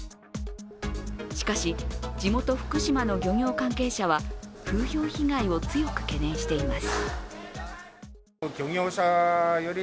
しかし、地元・福島の漁業関係者は風評被害を強く懸念しています。